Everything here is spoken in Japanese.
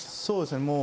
そうですね。